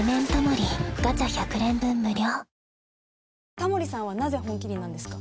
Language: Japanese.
タモリさんはなぜ「本麒麟」なんですか？